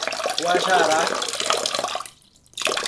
Guajará